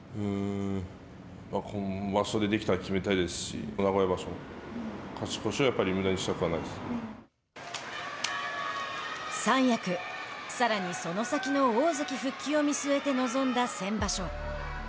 今場所でできたら決めたいですし名古屋場所の勝ち越しはむだにし三役、さらにその先の大関復帰を見据えて臨んだ先場所。